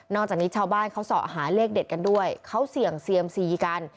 นอกจากนี้ชาวบ้านเขาสออาหารแรกเด็ดกันด้วยเขาเศี่ยงเซียมซียังกัน